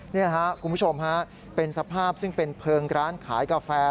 นี่ครับคุณผู้ชมฮะเป็นสภาพซึ่งเป็นเพลิงร้านขายกาแฟ